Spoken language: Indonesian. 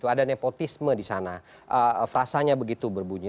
ada nepotisme di sana frasanya begitu berbunyi